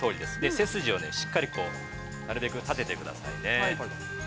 背筋をしっかりなるべく立ててくださいね。